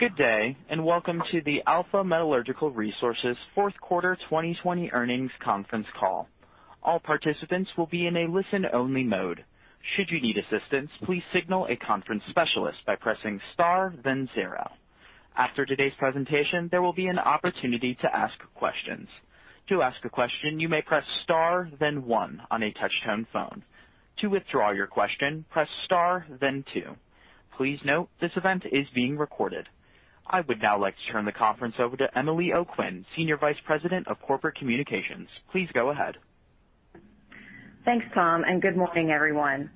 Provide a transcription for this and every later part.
Good day. Welcome to the Alpha Metallurgical Resources Q4 2020 Earnings Conference Call. All participants will be in a listen-only mode. Should you need assistance, please signal a conference specialist by pressing star then zero. After today's presentation, there will be an opportunity to ask questions. To ask a question, you may press star then one on a touch-tone phone. To withdraw your question, press star then two. Please note, this event is being recorded. I would now like to turn the conference over to Emily O'Quinn, Senior Vice President of Corporate Communications. Please go ahead. Thanks, Tom, and good morning, everyone.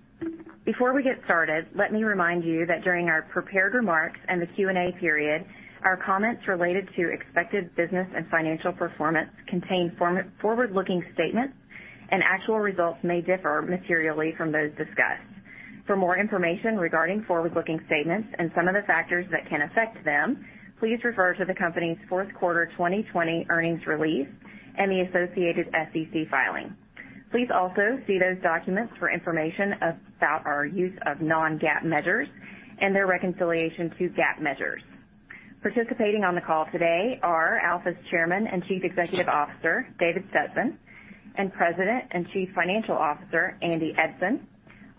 Before we get started, let me remind you that during our prepared remarks and the Q&A period, our comments related to expected business and financial performance contain forward-looking statements, and actual results may differ materially from those discussed. For more information regarding forward-looking statements and some of the factors that can affect them, please refer to the company's Q4 2020 earnings release and the associated SEC filing. Please also see those documents for information about our use of non-GAAP measures and their reconciliation to GAAP measures. Participating on the call today are Alpha's Chairman and Chief Executive Officer, David Stetson, and President and Chief Financial Officer, Andy Eidson.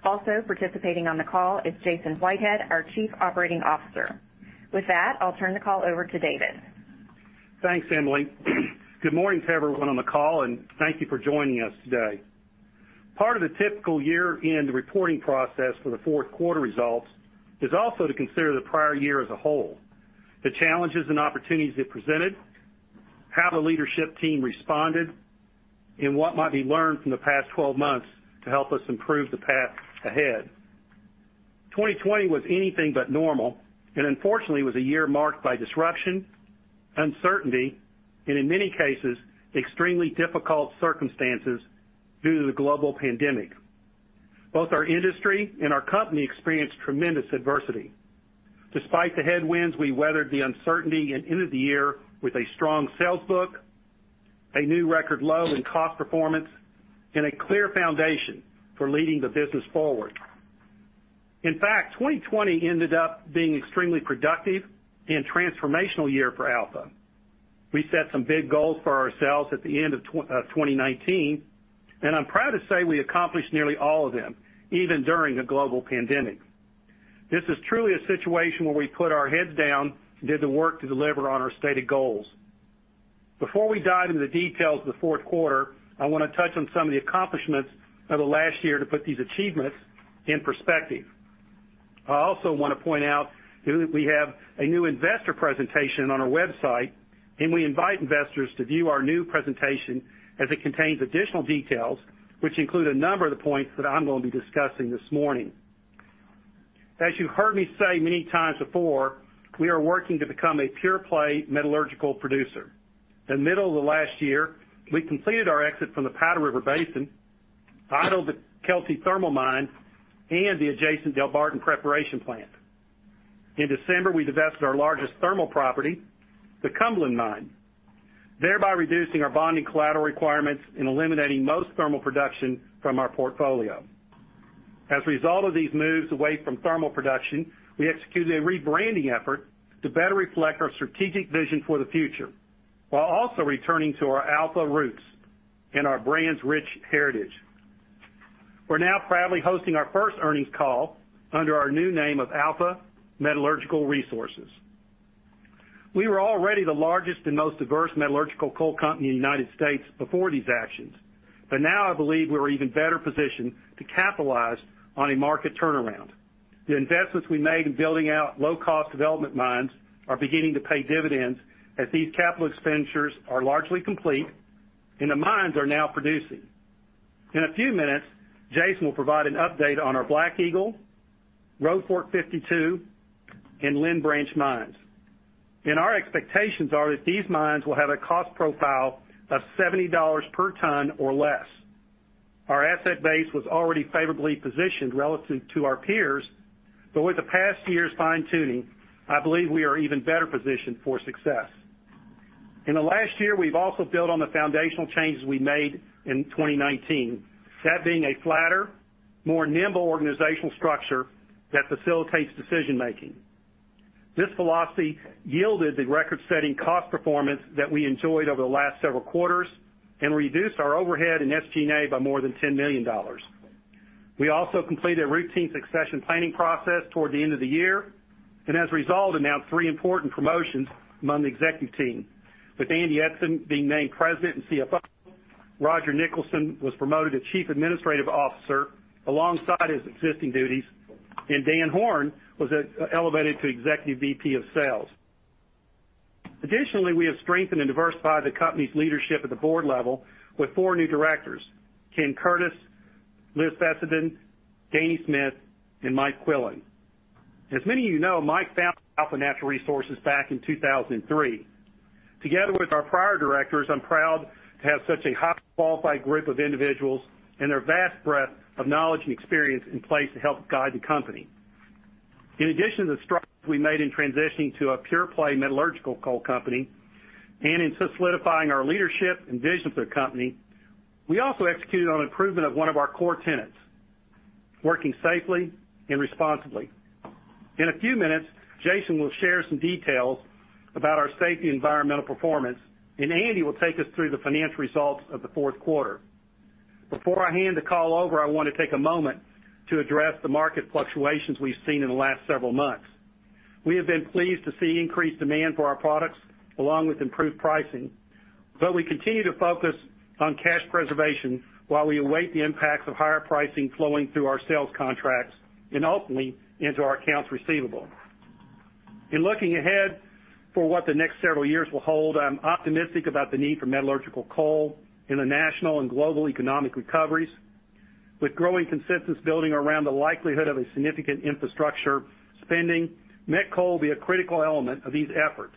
Also participating on the call is Jason Whitehead, our Chief Operating Officer. With that, I'll turn the call over to David. Thanks, Emily. Good morning to everyone on the call, and thank you for joining us today. Part of the typical year-end reporting process for the fourth quarter results is also to consider the prior year as a whole, the challenges and opportunities it presented, how the leadership team responded, and what might be learned from the past 12 months to help us improve the path ahead. 2020 was anything but normal. Unfortunately, it was a year marked by disruption, uncertainty, and in many cases, extremely difficult circumstances due to the global pandemic. Both our industry and our company experienced tremendous adversity. Despite the headwinds, we weathered the uncertainty and ended the year with a strong sales book, a new record low in cost performance, and a clear foundation for leading the business forward. In fact, 2020 ended up being extremely productive and transformational year for Alpha. We set some big goals for ourselves at the end of 2019, and I'm proud to say we accomplished nearly all of them, even during a global pandemic. This is truly a situation where we put our heads down and did the work to deliver on our stated goals. Before we dive into the details of the Q4, I want to touch on some of the accomplishments of the last year to put these achievements in perspective. I also want to point out that we have a new investor presentation on our website, and we invite investors to view our new presentation as it contains additional details, which include a number of the points that I'm going to be discussing this morning. As you heard me say many times before, we are working to become a pure-play metallurgical producer. In the middle of the last year, we completed our exit from the Powder River Basin, idled the Kelsey Thermal Mine and the adjacent Delbarton Preparation Plant. In December, we divested our largest thermal property, the Cumberland Mine, thereby reducing our bonding collateral requirements and eliminating most thermal production from our portfolio. As a result of these moves away from thermal production, we executed a rebranding effort to better reflect our strategic vision for the future, while also returning to our Alpha roots and our brand's rich heritage. We're now proudly hosting our first earnings call under our new name of Alpha Metallurgical Resources. We were already the largest and most diverse metallurgical coal company in the U.S. before these actions, but now I believe we're even better positioned to capitalize on a market turnaround. The investments we made in building out low-cost development mines are beginning to pay dividends as these capital expenditures are largely complete and the mines are now producing. In a few minutes, Jason will provide an update on our Black Eagle, Road Fork 52, and Lynn Branch mines. Our expectations are that these mines will have a cost profile of $70 per ton or less. Our asset base was already favorably positioned relative to our peers, but with the past year's fine-tuning, I believe we are even better positioned for success. In the last year, we've also built on the foundational changes we made in 2019, that being a flatter, more nimble organizational structure that facilitates decision-making. This philosophy yielded the record-setting cost performance that we enjoyed over the last several quarters and reduced our overhead and SG&A by more than $10 million. We also completed a routine succession planning process toward the end of the year, and as a result, announced three important promotions among the executive team, with Andy Eidson being named President and CFO. Roger Nicholson was promoted to Chief Administrative Officer alongside his existing duties, and Dan Horn was elevated to Executive VP of Sales. Additionally, we have strengthened and diversified the company's leadership at the board level with four new directors, Ken Courtis, Liz Fessenden, Danny Smith, and Mike Quillen. As many of you know, Mike founded Alpha Natural Resources back in 2003. Together with our prior directors, I'm proud to have such a highly qualified group of individuals and their vast breadth of knowledge and experience in place to help guide the company. In addition to the strides we made in transitioning to a pure-play metallurgical coal company and in solidifying our leadership and vision for the company, we also executed on improvement of one of our core tenets. Working safely and responsibly. In a few minutes, Jason will share some details about our safety environmental performance, and Andy will take us through the financial results of the fourth quarter. Before I hand the call over, I want to take a moment to address the market fluctuations we've seen in the last several months. We continue to focus on cash preservation while we await the impacts of higher pricing flowing through our sales contracts, and ultimately, into our accounts receivable. In looking ahead for what the next several years will hold, I'm optimistic about the need for metallurgical coal in the national and global economic recoveries. With growing consensus building around the likelihood of a significant infrastructure spending, met coal will be a critical element of these efforts.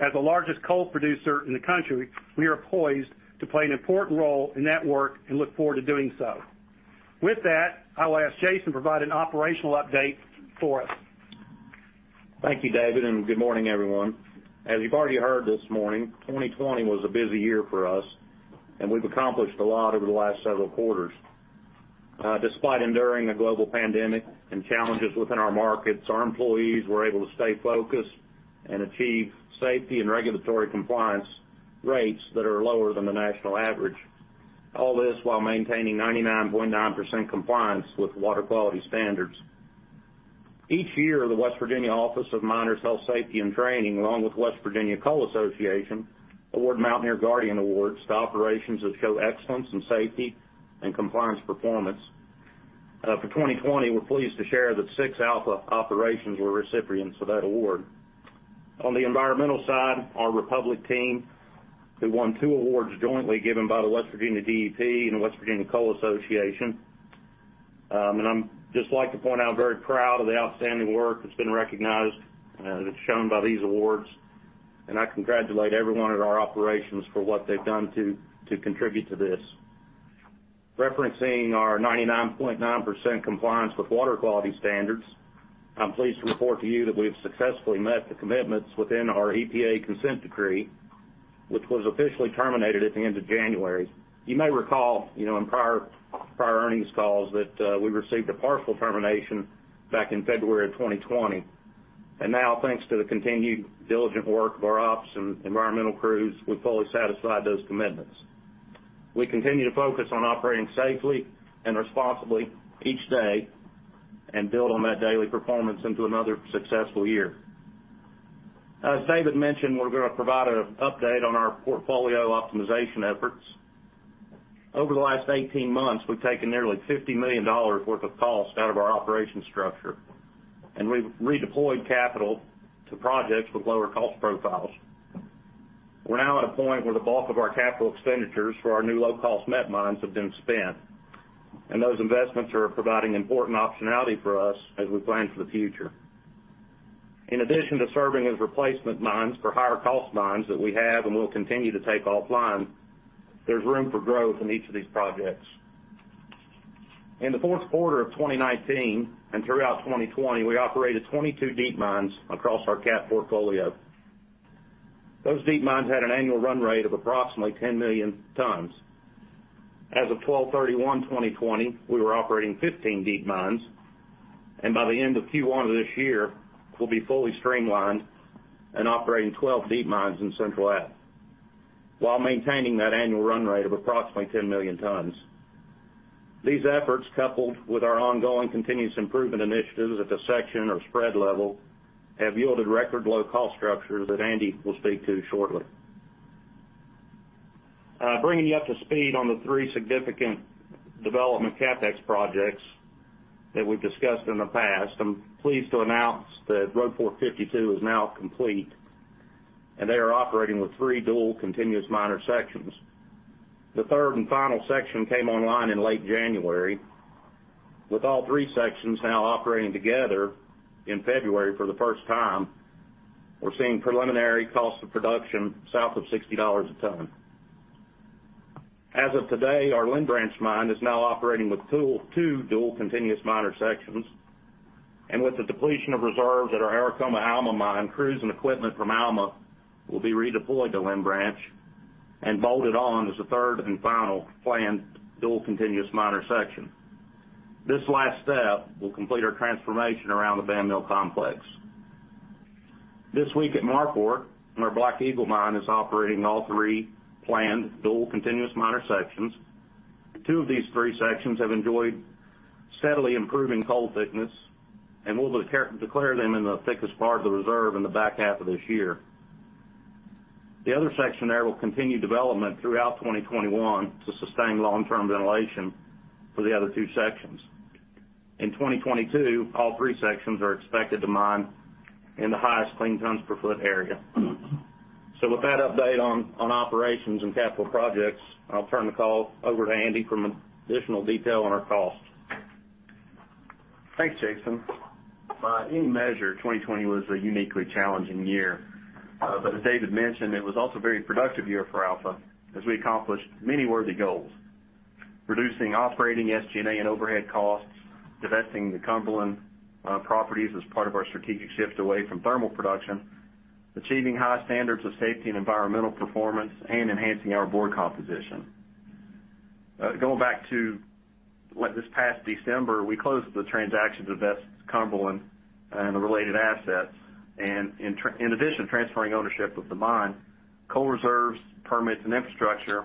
As the largest coal producer in the country, we are poised to play an important role in that work and look forward to doing so. With that, I will ask Jason to provide an operational update for us. Thank you, David, and good morning, everyone. As you've already heard this morning, 2020 was a busy year for us, and we've accomplished a lot over the last several quarters. Despite enduring a global pandemic and challenges within our markets, our employees were able to stay focused and achieve safety and regulatory compliance rates that are lower than the national average. All this while maintaining 99.9% compliance with water quality standards. Each year, the West Virginia Office of Miners' Health, Safety and Training, along with West Virginia Coal Association, award Mountaineer Guardian awards to operations that show excellence in safety and compliance performance. For 2020, we're pleased to share that six Alpha operations were recipients of that award. On the environmental side, our Republic team, who won two awards jointly given by the West Virginia DEP and West Virginia Coal Association. I'd just like to point out, very proud of the outstanding work that's been recognized, that's shown by these awards, and I congratulate everyone at our operations for what they've done to contribute to this. Referencing our 99.9% compliance with water quality standards, I'm pleased to report to you that we have successfully met the commitments within our EPA consent decree, which was officially terminated at the end of January. You may recall in prior earnings calls that we received a partial termination back in February of 2020. Now, thanks to the continued diligent work of our ops and environmental crews, we've fully satisfied those commitments. We continue to focus on operating safely and responsibly each day and build on that daily performance into another successful year. As David mentioned, we're going to provide an update on our portfolio optimization efforts. Over the last 18 months, we've taken nearly $50 million worth of cost out of our operation structure, and we've redeployed capital to projects with lower cost profiles. We're now at a point where the bulk of our capital expenditures for our new low-cost met mines have been spent. Those investments are providing important optionality for us as we plan for the future. In addition to serving as replacement mines for higher cost mines that we have and will continue to take offline, there's room for growth in each of these projects. In the Q4 of 2019 and throughout 2020, we operated 22 deep mines across our CAPP portfolio. Those deep mines had an annual run rate of approximately 10 million tons. As of 12/31/2020, we were operating 15 deep mines, and by the end of Q1 of this year, we'll be fully streamlined and operating 12 deep mines in Central App, while maintaining that annual run rate of approximately 10 million tons. These efforts, coupled with our ongoing continuous improvement initiatives at the section or spread level, have yielded record low cost structures that Andy Eidson will speak to shortly. Bringing you up to speed on the three significant development CapEx projects that we've discussed in the past, I'm pleased to announce that Road Fork 52 is now complete, and they are operating with three dual continuous miner sections. The third and final section came online in late January. With all three sections now operating together in February for the first time, we're seeing preliminary cost of production south of $60 a ton. As of today, our Lynn Branch mine is now operating with two dual continuous miner sections. With the depletion of reserves at our Aracoma Alma Mine, crews and equipment from Alma will be redeployed to Lynn Branch and bolted on as a third and final planned dual continuous miner section. This last step will complete our transformation around the Van Mill complex. This week at Marfork, our Black Eagle mine is operating all three planned dual continuous miner sections. Two of these three sections have enjoyed steadily improving coal thickness, and we'll declare them in the thickest part of the reserve in the back half of this year. The other section there will continue development throughout 2021 to sustain long-term ventilation for the other two sections. In 2022, all three sections are expected to mine in the highest clean tons per foot area. With that update on operations and capital projects, I'll turn the call over to Andy for additional detail on our cost. Thanks, Jason. By any measure, 2020 was a uniquely challenging year. As David mentioned, it was also a very productive year for Alpha as we accomplished many worthy goals. Reducing operating SG&A and overhead costs, divesting the Cumberland properties as part of our strategic shift away from thermal production, achieving high standards of safety and environmental performance, and enhancing our board composition. Going back to this past December, we closed the transaction to divest Cumberland and the related assets. In addition to transferring ownership of the mine, coal reserves, permits, and infrastructure,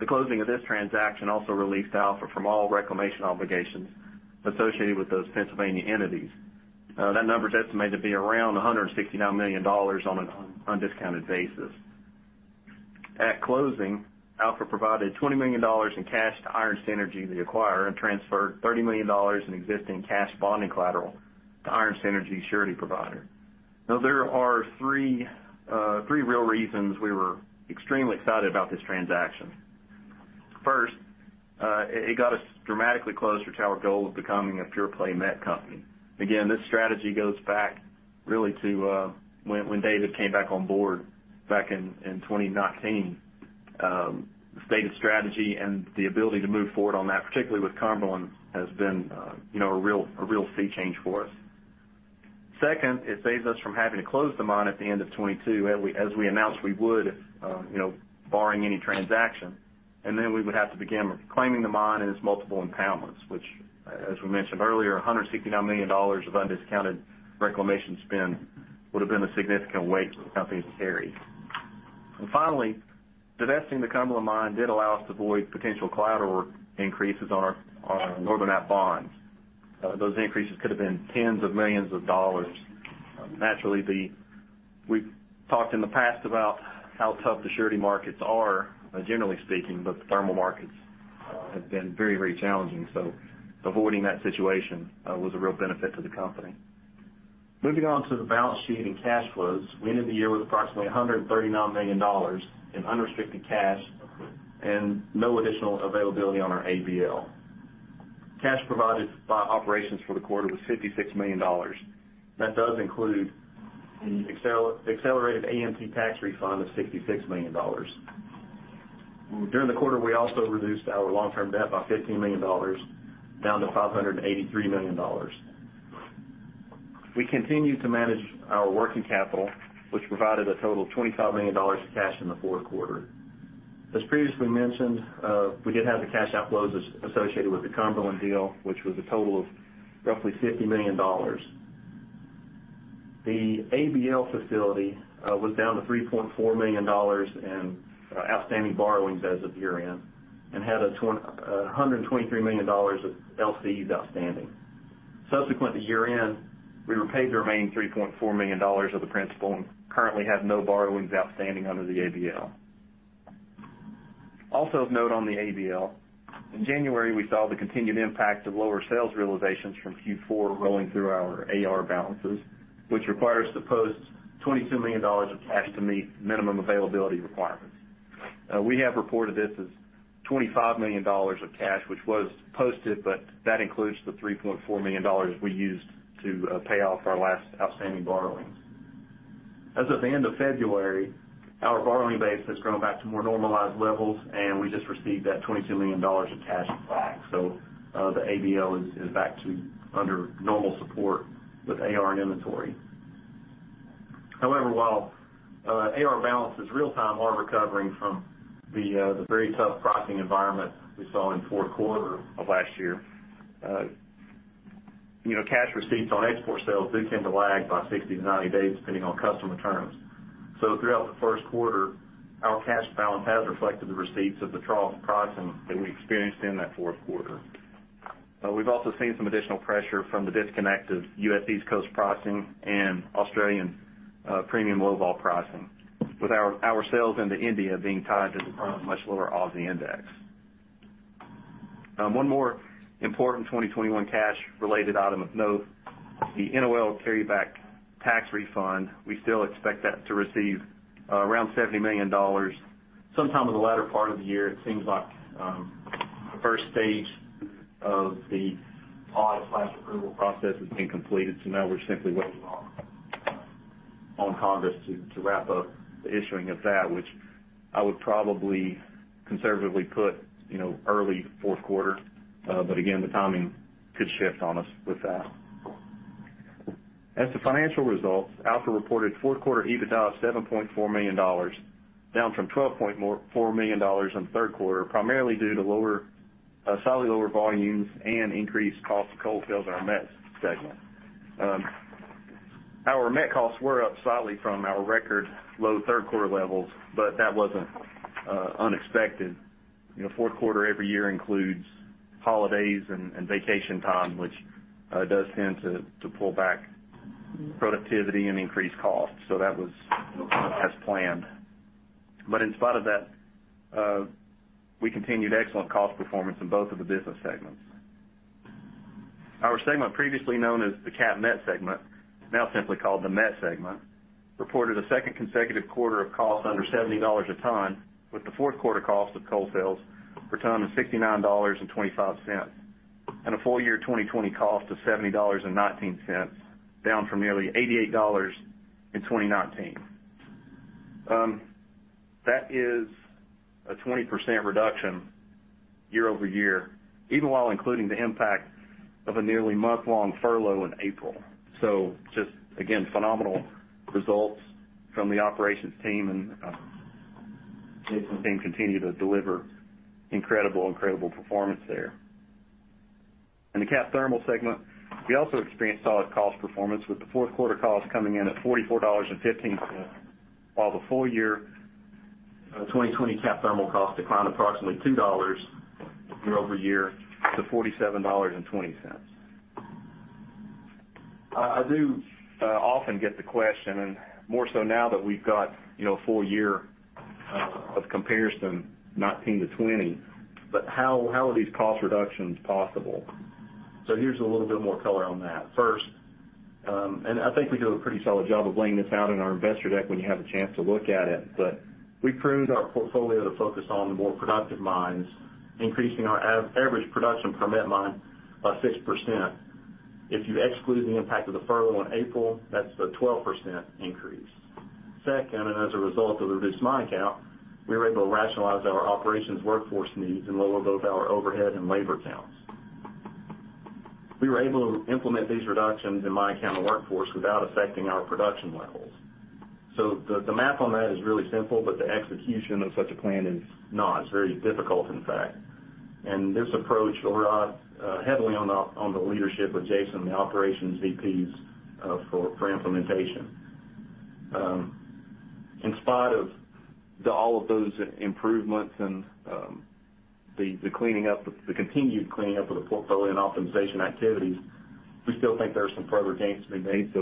the closing of this transaction also released Alpha from all reclamation obligations associated with those Pennsylvania entities. That number is estimated to be around $169 million on an undiscounted basis. At closing, Alpha provided $20 million in cash to Iron Synergy, the acquirer, and transferred $30 million in existing cash bonding collateral to Iron Synergy's surety provider. There are three real reasons we were extremely excited about this transaction. First, it got us dramatically closer to our goal of becoming a pure-play met company. This strategy goes back really to when David came back on board back in 2019. The stated strategy and the ability to move forward on that, particularly with Cumberland, has been a real sea change for us. Second, it saves us from having to close the mine at the end of 2022, as we announced we would, barring any transaction. We would have to begin reclaiming the mine and its multiple impoundments, which, as we mentioned earlier, $169 million of undiscounted reclamation spend would've been a significant weight for the company to carry. Finally, divesting the Cumberland Mine did allow us to avoid potential collateral increases on our northern App bonds. We've talked in the past about how tough the surety markets are, generally speaking, but the thermal markets have been very challenging. Avoiding that situation was a real benefit to the company. Moving on to the balance sheet and cash flows, we ended the year with approximately $139 million in unrestricted cash and no additional availability on our ABL. Cash provided by operations for the quarter was $56 million. That does include the accelerated AMT tax refund of $66 million. During the quarter, we also reduced our long-term debt by $15 million, down to $583 million. We continue to manage our working capital, which provided a total of $25 million of cash in the fourth quarter. As previously mentioned, we did have the cash outflows associated with the Cumberland deal, which was a total of roughly $50 million. The ABL facility was down to $3.4 million in outstanding borrowings as of year-end and had $123 million of LCs outstanding. Subsequently year-end, we repaid the remaining $3.4 million of the principal and currently have no borrowings outstanding under the ABL. Also of note on the ABL, in January, we saw the continued impact of lower sales realizations from Q4 rolling through our AR balances, which require us to post $22 million of cash to meet minimum availability requirements. We have reported this as $25 million of cash, which was posted, but that includes the $3.4 million we used to pay off our last outstanding borrowings. As of the end of February, our borrowing base has grown back to more normalized levels, and we just received that $22 million of cash back. The ABL is back to under normal support with AR and inventory. While AR balances real-time are recovering from the very tough pricing environment we saw in fourth quarter of last year, cash receipts on export sales do tend to lag by 60 to 90 days, depending on customer terms. Throughout the first quarter, our cash balance has reflected the receipts of the trough pricing that we experienced in that fourth quarter. We've also seen some additional pressure from the disconnect of U.S. East Coast pricing and Australian premium low-vol pricing, with our sales into India being tied to the much lower Aussie index. One more important 2021 cash-related item of note, the NOL carryback tax refund. We still expect that to receive around $70 million sometime in the latter part of the year. It seems like the stage 1 of the audit/approval process has been completed. Now we're simply waiting on Congress to wrap up the issuing of that, which I would probably conservatively put early fourth quarter. Again, the timing could shift on us with that. As to financial results, Alpha reported fourth quarter EBITDA of $7.4 million, down from $12.4 million in the third quarter, primarily due to slightly lower volumes and increased cost of coal sales in our Met segment. Our Met costs were up slightly from our record low third quarter levels, that wasn't unexpected. Fourth quarter every year includes holidays and vacation time, which does tend to pull back productivity and increase costs. That was as planned. In spite of that, we continued excellent cost performance in both of the business segments. Our segment previously known as the CAPP-Met segment, now simply called the Met segment, reported a second consecutive quarter of cost under $70 a ton, with the Q4 cost of coal sales per ton of $69.25, and a full year 2020 cost of $70.19, down from nearly $88 in 2019. That is a 20% reduction year-over-year, even while including the impact of a nearly month-long furlough in April. Just again, phenomenal results from the operations team, and Jason's team continue to deliver incredible performance there. In the Thermal segment, we also experienced solid cost performance with the fourth quarter cost coming in at $44.15, while the full year 2020 Thermal cost declined approximately $2 year-over-year to $47.20. I do often get the question, and more so now that we've got a full year of comparison 2019 to 2020, but how are these cost reductions possible? Here's a little bit more color on that. First, and I think we do a pretty solid job of laying this out in our investor deck when you have a chance to look at it, but we pruned our portfolio to focus on the more productive mines, increasing our average production per mine by 6%. If you exclude the impact of the furlough in April, that's a 12% increase. Second, and as a result of the reduced mine count, we were able to rationalize our operations workforce needs and lower both our overhead and labor counts. We were able to implement these reductions in mine count and workforce without affecting our production levels. The math on that is really simple, but the execution of such a plan is not. It's very difficult, in fact. This approach relied heavily on the leadership of Jason and the operations VPs for implementation. In spite of all of those improvements and the continued cleaning up of the portfolio and optimization activities, we still think there are some further gains to be made.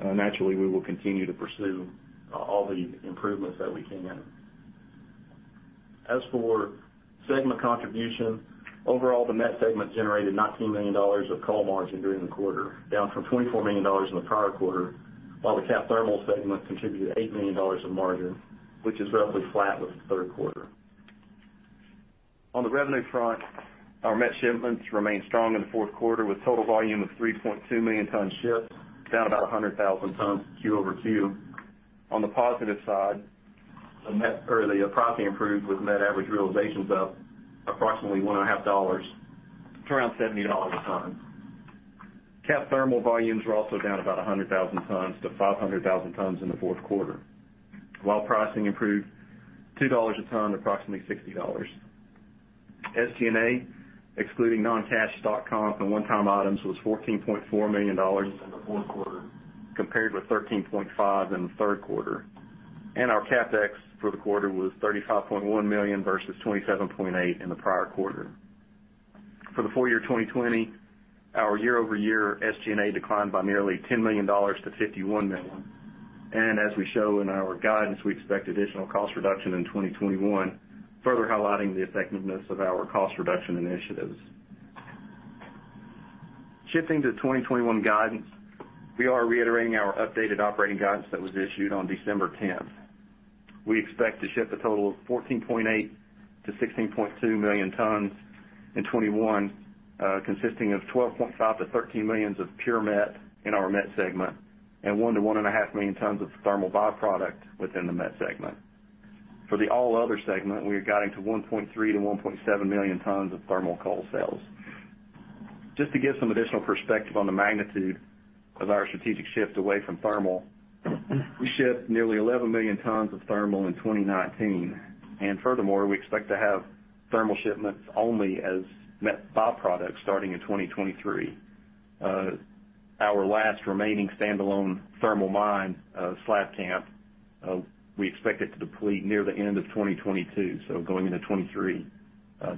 Naturally, we will continue to pursue all the improvements that we can. As for segment contribution, overall, the met segment generated $19 million of coal margin during the quarter, down from $24 million in the prior quarter, while the coal thermal segment contributed $8 million of margin, which is roughly flat with the Q3. On the revenue front, our met shipments remained strong in the Q4 with total volume of 3.2 million tons shipped, down about 100,000 tons Q over Q. On the positive side, the met early pricing improved with met average realizations up approximately one and a half dollars to around $70 a ton. Coal thermal volumes were also down about 100,000 tons to 500,000 tons in the Q4, while pricing improved $2 a ton, approximately $60. SG&A, excluding non-cash stock comp and one-time items, was $14.4 million in the fourth quarter compared with $13.5 million in the Q3. Our CapEx for the quarter was $35.1 million versus $27.8 million in the prior quarter. For the full year 2020, our year-over-year SG&A declined by nearly $10 million to $51 million. As we show in our guidance, we expect additional cost reduction in 2021, further highlighting the effectiveness of our cost reduction initiatives. Shifting to 2021 guidance, we are reiterating our updated operating guidance that was issued on December 10th. We expect to ship a total of 14.8 million-16.2 million tons in 2021, consisting of 12.5 million-13 million of pure met in our met segment, and one to one and a half million tons of thermal byproduct within the met segment. For the All Other segment, we are guiding to 1.3 million-1.7 million tons of thermal coal sales. Just to give some additional perspective on the magnitude of our strategic shift away from thermal, we shipped nearly 11 million tons of thermal in 2019. Furthermore, we expect to have thermal shipments only as met byproducts starting in 2023. Our last remaining standalone thermal mine, Slab Camp, we expect it to deplete near the end of 2022. Going into 2023,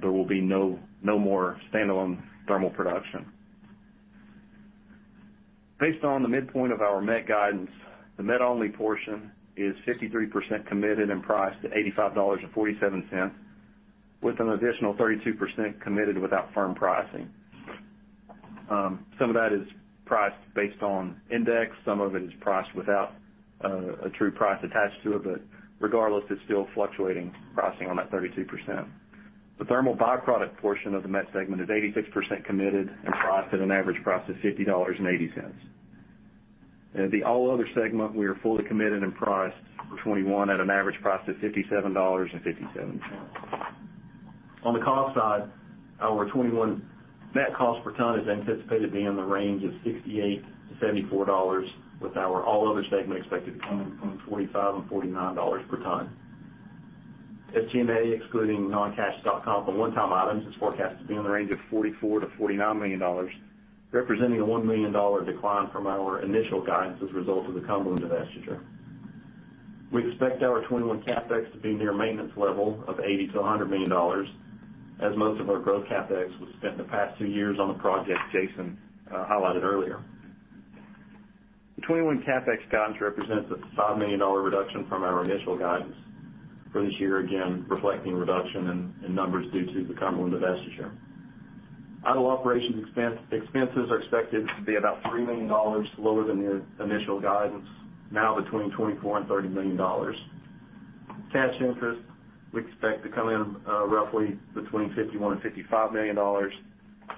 there will be no more standalone thermal production. Based on the midpoint of our met guidance, the met-only portion is 53% committed and priced at $85.47, with an additional 32% committed without firm pricing. Some of that is priced based on index, some of it is priced without a true price attached to it. Regardless, it's still fluctuating pricing on that 32%. The thermal byproduct portion of the met segment is 86% committed and priced at an average price of $50.80. In the All Other Segment, we are fully committed and priced for 2021 at an average price of $57.57. On the cost side, our 2021 met cost per ton is anticipated to be in the range of $68-$74, with our all other segment expected to come in from $45-$49 per ton. SG&A, excluding non-cash stock comp and one-time items, is forecasted to be in the range of $44 million-$49 million, representing a $1 million decline from our initial guidance as a result of the Cumberland divestiture. We expect our 2021 CapEx to be near maintenance level of $80 million-$100 million, as most of our growth CapEx was spent in the past two years on the projects Jason highlighted earlier. The 2021 CapEx guidance represents a $5 million reduction from our initial guidance for this year, again, reflecting reduction in numbers due to the Cumberland divestiture. Idle operations expenses are expected to be about $3 million lower than the initial guidance, now between $24 million and $30 million. Cash interest, we expect to come in roughly between $51 million and $55 million,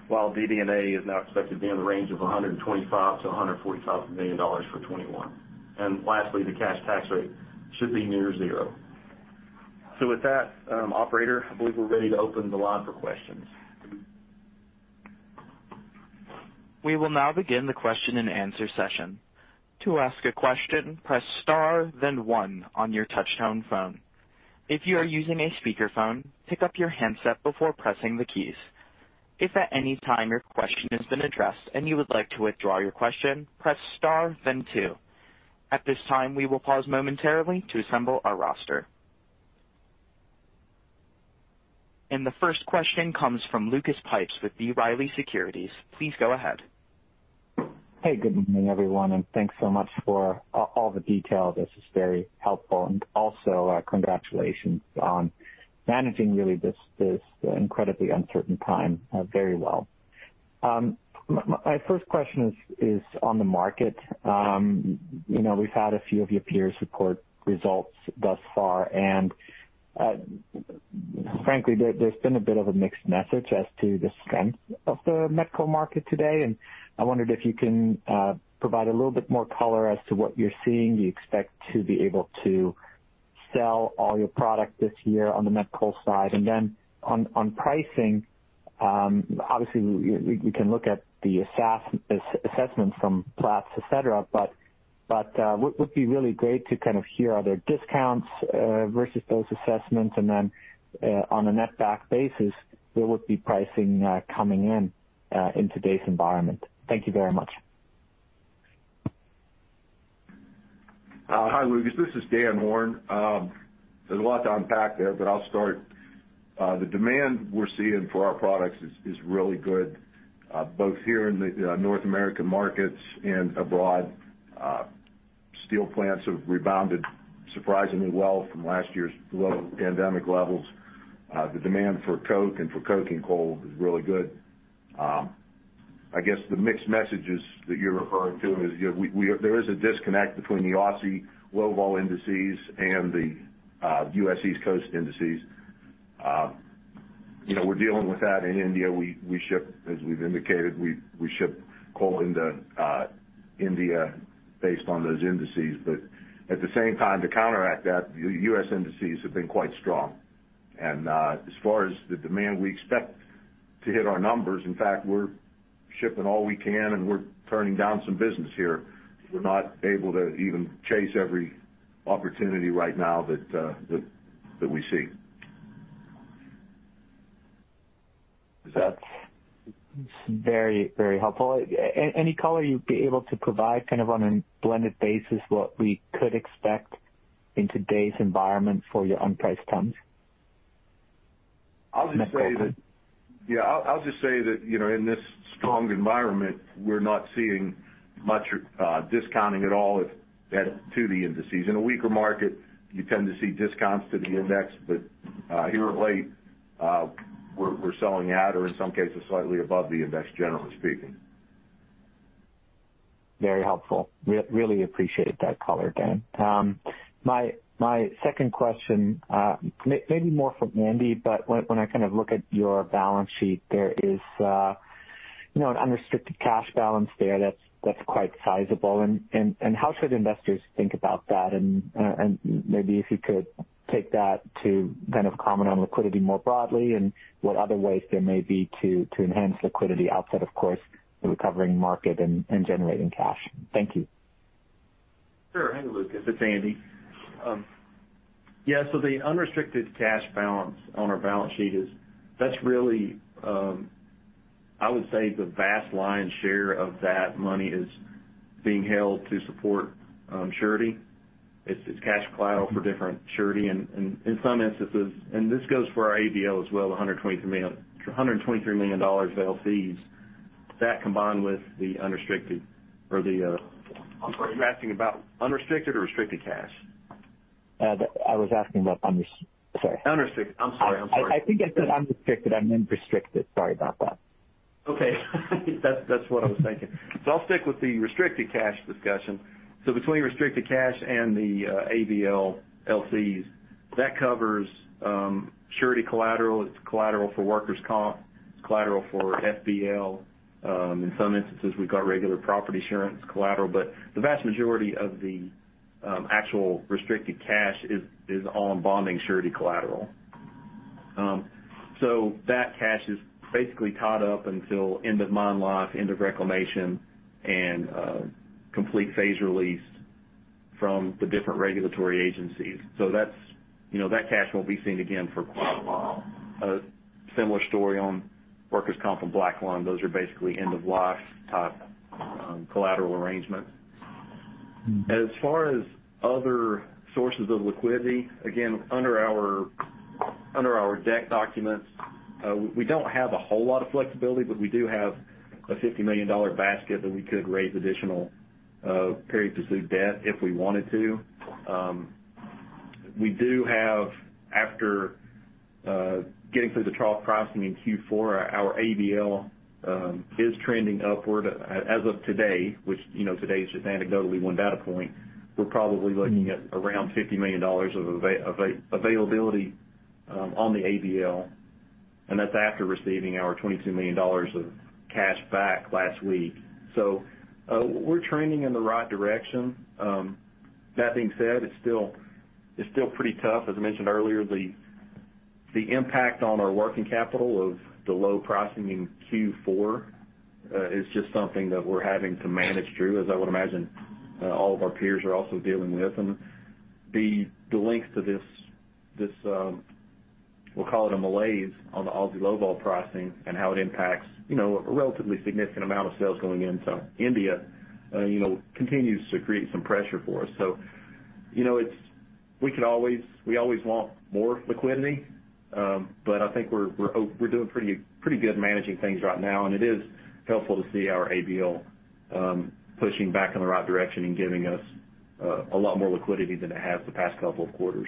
while EBITDA is now expected to be in the range of $125 million-$145 million for 2021. Lastly, the cash tax rate should be near zero. With that, operator, I believe we're ready to open the line for questions. We will now begin the question and answer session. To ask a question, press star then one on your touch-tone phone. If you are using a speakerphone, pick up your handset before pressing the keys. If at any time your question has been addressed and you would like to withdraw your question, press star then two. At this time, we will pause momentarily to assemble our roster. The first question comes from Lucas Pipes with B. Riley Securities. Please go ahead. Good morning, everyone, thanks so much for all the detail. This is very helpful. Also, congratulations on managing really this incredibly uncertain time very well. My first question is on the market. We've had a few of your peers report results thus far, and frankly, there's been a bit of a mixed message as to the strength of the met coal market today. I wondered if you can provide a little bit more color as to what you're seeing. Do you expect to be able to sell all your product this year on the met coal side? Then on pricing, obviously, we can look at the assessments from Platts, et cetera, but what would be really great to kind of hear are there discounts versus those assessments, and then on a netback basis, where would be pricing coming in today's environment? Thank you very much. Hi, Lucas. This is Dan Horn. There's a lot to unpack there. I'll start. The demand we're seeing for our products is really good, both here in the North American markets and abroad. Steel plants have rebounded surprisingly well from last year's low pandemic levels. The demand for coke and for coking coal is really good. I guess the mixed messages that you're referring to is there is a disconnect between the Aussie low-vol indices and the U.S. East Coast indices. We're dealing with that in India. As we've indicated, we ship coal into India based on those indices. At the same time, to counteract that, the U.S. indices have been quite strong. As far as the demand, we expect to hit our numbers. In fact, we're shipping all we can, and we're turning down some business here. We're not able to even chase every opportunity right now that we see. That's very helpful. Any color you'd be able to provide, kind of on a blended basis, what we could expect in today's environment for your unpriced tons? Met coal. I'll just say that in this strong environment, we're not seeing much discounting at all to the indices. In a weaker market, you tend to see discounts to the index, but here of late, we're selling at or in some cases slightly above the index, generally speaking. Very helpful. Really appreciate that color, Dan. My second question, maybe more for Andy, when I look at your balance sheet, there is an unrestricted cash balance there that's quite sizable. How should investors think about that? Maybe if you could take that to kind of comment on liquidity more broadly and what other ways there may be to enhance liquidity outside, of course, the recovering market and generating cash. Thank you. Sure. Hey, Lucas. It's Andy. Yeah, the unrestricted cash balance on our balance sheet is, that's really, I would say the vast lion's share of that money is being held to support surety. It's cash collateral for different surety and in some instances, and this goes for our ABL as well, $123 million of LCs. That combined with the unrestricted or the- You're asking about unrestricted or restricted cash? I was asking about unrestricted, sorry. Unrestricted. I'm sorry. I think I said unrestricted. I meant restricted. Sorry about that. Okay. That's what I was thinking. I'll stick with the restricted cash discussion. Between restricted cash and the ABL LCs, that covers surety collateral. It's collateral for workers' comp. It's collateral for FBL. In some instances, we've got regular property insurance collateral. The vast majority of the actual restricted cash is on bonding surety collateral. That cash is basically tied up until end of mine life, end of reclamation, and complete phase release from the different regulatory agencies. That cash won't be seen again for quite a while. A similar story on workers' comp and black lung. Those are basically end-of-life type collateral arrangements. As far as other sources of liquidity, again, under our debt documents, we don't have a whole lot of flexibility, but we do have a $50 million basket that we could raise additional pari passu debt if we wanted to. We do have, after getting through the trough pricing in Q4, our ABL is trending upward. As of today, which today is just anecdotally one data point, we're probably looking at around $50 million of availability on the ABL, and that's after receiving our $22 million of cash back last week. We're trending in the right direction. That being said, it's still pretty tough. As I mentioned earlier, the impact on our working capital of the low pricing in Q4 is just something that we're having to manage through, as I would imagine all of our peers are also dealing with. The length to this, we'll call it a malaise on the Aussie low-vol pricing and how it impacts a relatively significant amount of sales going into India continues to create some pressure for us. We always want more liquidity. I think we're doing pretty good managing things right now, and it is helpful to see our ABL pushing back in the right direction and giving us a lot more liquidity than it has the past couple of quarters.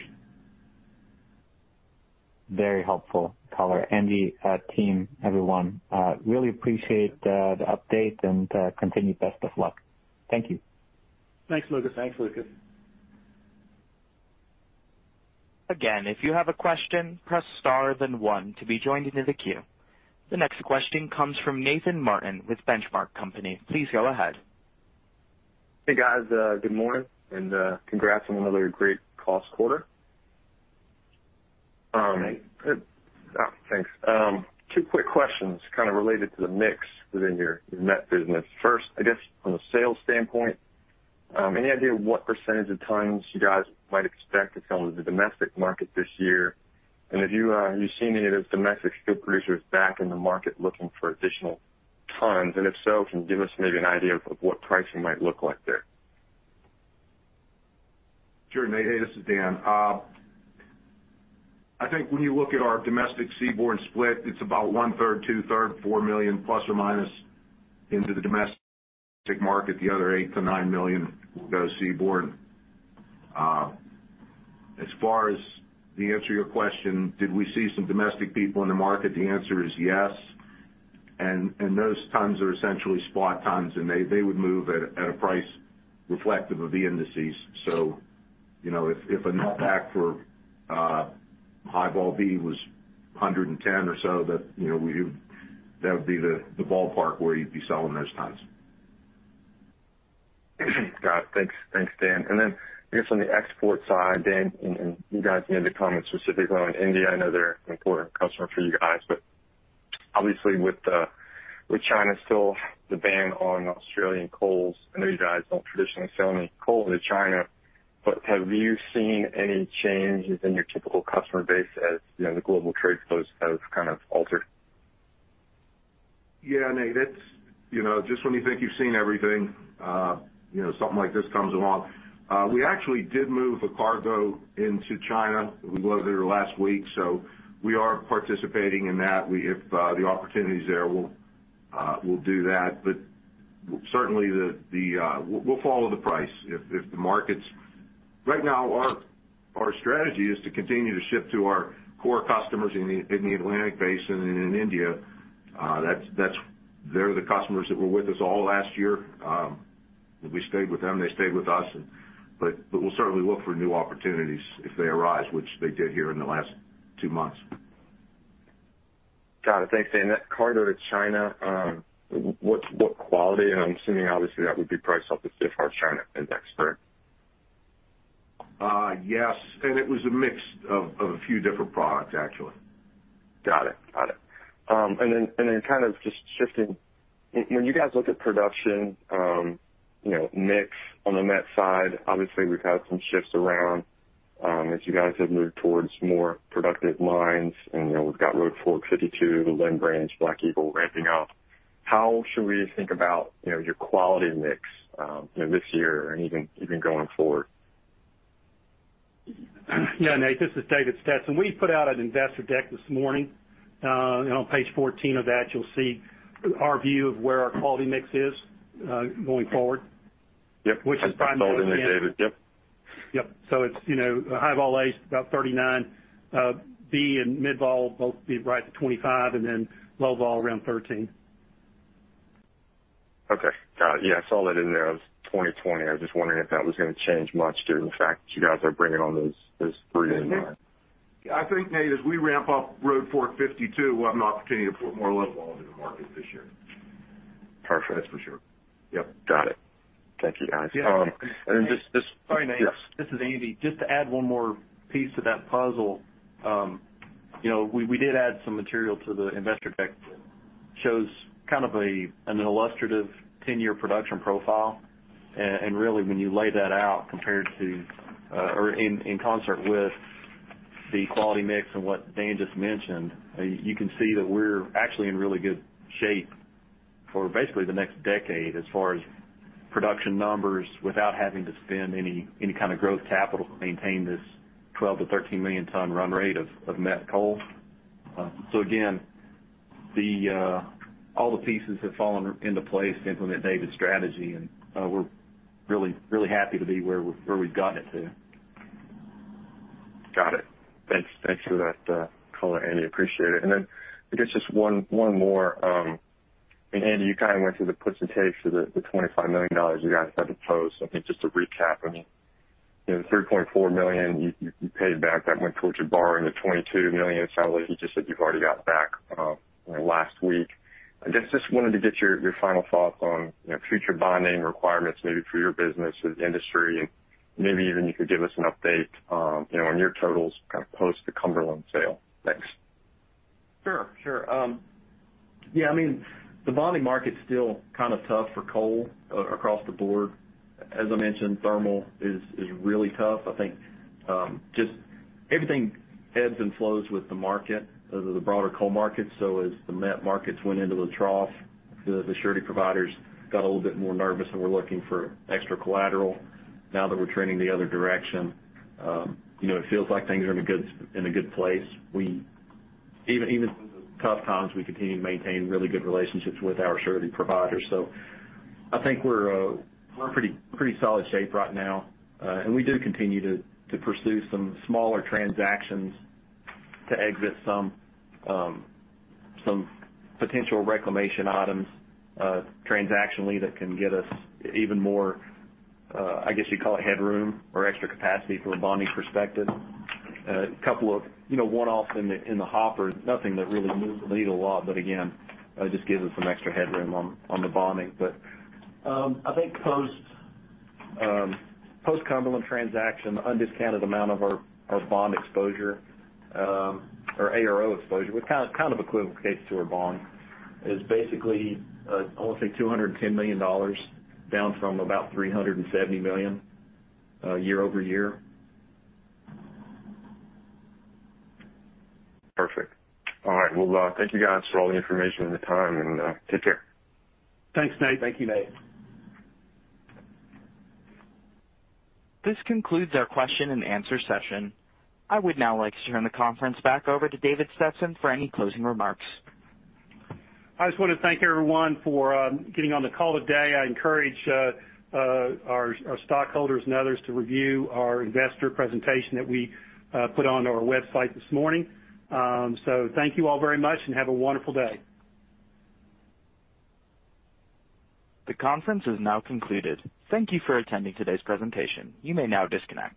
Very helpful, Tyler and the team, everyone. Really appreciate the update and continued best of luck. Thank you. Thanks, Lucas. Thanks, Lucas. Again, if you have a question, press star then one to be joined into the queue. The next question comes from Nathan Martin with Benchmark Company. Please go ahead. Hey, guys. Good morning, and congrats on another great cost quarter. Hey. Thanks. Two quick questions related to the mix within your met business. First, I guess from a sales standpoint, any idea what percentage of tons you guys might expect to sell into the domestic market this year? Have you seen any of those domestic steel producers back in the market looking for additional tons? If so, can you give us maybe an idea of what pricing might look like there? Sure, Nate. Hey, this is Dan. I think when you look at our domestic seaborne split, it's about one third, two third, 4 million plus or minus into the domestic market. The other 8 million-9 million will go seaborne. As far as the answer to your question, did we see some domestic people in the market? The answer is yes. Those tons are essentially spot tons, and they would move at a price reflective of the indices. If a netback for high-vol B was $110 or so, that would be the ballpark where you'd be selling those tons. Got it. Thanks, Dan. Then I guess on the export side, Dan, you guys can either comment specifically on India. I know they're an important customer for you guys, but obviously with China still the ban on Australian coals, I know you guys don't traditionally sell any coal to China. Have you seen any change within your typical customer base as the global trade flows have kind of altered? Yeah, Nate. Just when you think you've seen everything something like this comes along. We actually did move a cargo into China. We loaded her last week. We are participating in that. If the opportunity is there, we'll do that. Certainly, we'll follow the price. Right now, our strategy is to continue to ship to our core customers in the Atlantic Basin and in India. They're the customers that were with us all last year. We stayed with them, they stayed with us. We'll certainly look for new opportunities if they arise, which they did here in the last two months. Got it. Thanks, Dan. That cargo to China, what quality? I'm assuming obviously that would be priced off the CFR China coking coal index, correct? Yes. It was a mix of a few different products, actually. Got it. Then just shifting. When you guys look at production mix on the met side, obviously we've had some shifts around as you guys have moved towards more productive mines, and we've got Road Fork 52, the Lynn Branch, Black Eagle ramping up. How should we think about your quality mix this year and even going forward? Yeah, Nate, this is David Stetson. We put out an investor deck this morning. On page 14 of that, you'll see our view of where our quality mix is going forward. Yep. Which is primarily- I saw that in there, David. Yep. Yep. It's high-vol A is about 39%. B and mid-vol both will be right at 25%, and then low-vol around 13%. Okay. Got it. Yeah, I saw that in there. It was 2020. I was just wondering if that was going to change much due to the fact that you guys are bringing on those three new mines. I think, Nate, as we ramp up Road Fork 52, we'll have an opportunity to put more low-vol into the market this year. Perfect. That's for sure. Yep. Got it. Thank you, guys. Yeah. And just- Sorry, Nate. Yes. This is Andy. Just to add one more piece to that puzzle. We did add some material to the investor deck that shows kind of an illustrative 10-year production profile. Really when you lay that out compared to or in concert with the quality mix and what Dan just mentioned, you can see that we're actually in really good shape for basically the next decade as far as production numbers without having to spend any kind of growth capital to maintain this 12 million ton-13 million ton run rate of met coal. All the pieces have fallen into place to implement David's strategy, and we're really happy to be where we've gotten it to. Got it. Thanks for that color, Andy. Appreciate it. I guess just one more. Andy, you kind of went through the puts and takes of the $25 million you guys had to post. I think just to recap, the $3.4 million you paid back that went towards your borrowing. The $22 million, it sounds like you just said you've already got back last week. I guess just wanted to get your final thoughts on future bonding requirements, maybe for your business or the industry, and maybe even you could give us an update on your totals post the Cumberland sale. Thanks. Sure. Yeah, the bonding market's still kind of tough for coal across the board. As I mentioned, thermal is really tough. I think just everything ebbs and flows with the market, the broader coal market. As the met markets went into the trough, the surety providers got a little bit more nervous and were looking for extra collateral. Now that we're trending the other direction it feels like things are in a good place. Even through the tough times, we continue to maintain really good relationships with our surety providers. I think we're in pretty solid shape right now. We do continue to pursue some smaller transactions to exit some potential reclamation items transactionally that can get us even more, I guess you'd call it headroom or extra capacity from a bonding perspective. A couple of one-offs in the hopper. Nothing that really moves the needle a lot, again, just gives us some extra headroom on the bonding. I think post-Cumberland transaction, the undiscounted amount of our bond exposure or ARO exposure, which kind of equivalicates to our bond, is basically, I want to say $210 million, down from about $370 million year-over-year. Perfect. All right. Well, thank you guys for all the information and the time, and take care. Thanks, Nate. Thank you, Nate. This concludes our question and answer session. I would now like to turn the conference back over to David Stetson for any closing remarks. I just want to thank everyone for getting on the call today. I encourage our stockholders and others to review our investor presentation that we put onto our website this morning. Thank you all very much and have a wonderful day. The conference is now concluded. Thank you for attending today's presentation. You may now disconnect.